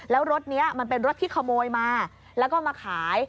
แล้วรถนี้มันเป็นรถที่ขโมยมาแล้วก็มาขาย